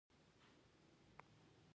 د اینشټاینیم د اینشټاین په نوم نومول شوی.